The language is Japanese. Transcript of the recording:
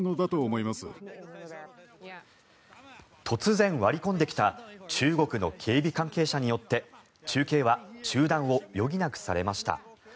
突然、割り込んできた中国の警備関係者によって中継は中断を余儀なくされました。